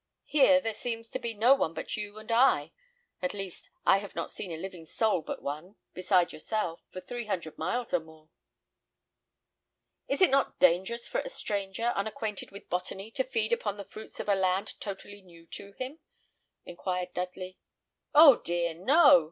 Here there seems to be no one but you and I: at least, I have not seen a living soul but one, beside yourself, for three hundred miles or more." "Is it not dangerous for a stranger, unacquainted with botany, to feed upon the fruits of a land totally new to him?" inquired Dudley. "Oh dear, no!"